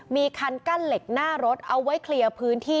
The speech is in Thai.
มีคันกั้นเหล็กหน้ารถเอาไว้เคลียร์พื้นที่